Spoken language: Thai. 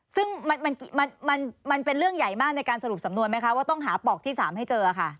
ซึ่งมันเป็นเรื่องใหญ่มากในการสรุปสำนวนไหมคะว่าต้องหาปอกที่๓ให้เจอค่ะ